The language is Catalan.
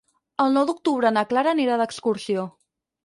El nou d'octubre na Clara anirà d'excursió.